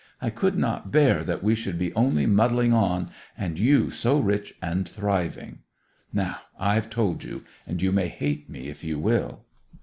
I could not bear that we should be only muddling on, and you so rich and thriving! Now I have told you, and you may hate me if you will!